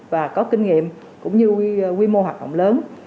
và có kinh nghiệm cũng như quy mô hoạt động lớn